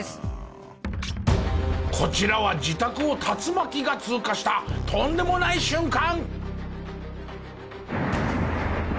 こちらは自宅を竜巻が通過したとんでもない瞬間！